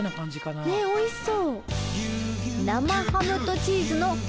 あおいしそう！